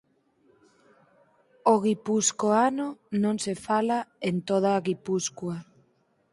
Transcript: O guipuscoano non se fala en toda Guipúscoa.